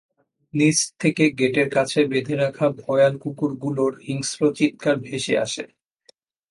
নিচ থেকে গেটের কাছে বেঁধে রাখা ভয়াল কুকুরগুলোর হিংস্র চিৎকার ভেসে আসে।